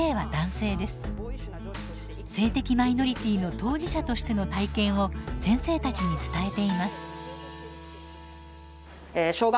性的マイノリティーの当事者としての体験を先生たちに伝えています。